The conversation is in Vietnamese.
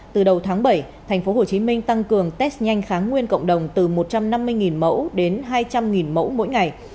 từ đầu tháng bảy tp hcm tăng cường test nhanh kháng nguyên cộng đồng từ một trăm năm mươi mẫu đến hai trăm linh mẫu mỗi ngày